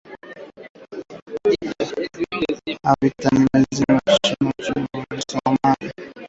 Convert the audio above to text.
havitalazimika tena kusafiri hadi Somalia kutoka nchi jirani baada ya maafisa kutengua uamuzi